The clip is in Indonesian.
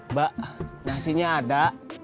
mbak nasinya ada